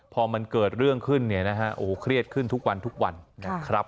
พอมันเกิดเรื่องขึ้นเนี่ยนะฮะโอ้โหเครียดขึ้นทุกวันทุกวันนะครับ